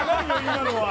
今のは。